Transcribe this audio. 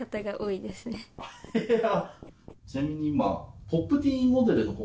ちなみに今。